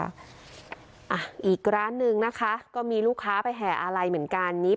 อ่ะอีกร้านหนึ่งนะคะก็มีลูกค้าไปแห่อะไรเหมือนกันนี้